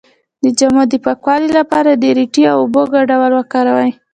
د جامو د پاکوالي لپاره د ریټې او اوبو ګډول وکاروئ